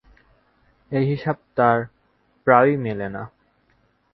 এই হিসাব তাঁর প্রায়ই মেলে না।